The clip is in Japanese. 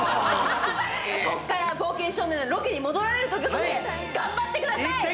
ここから「冒険少年」のロケに戻られるということで、頑張ってください！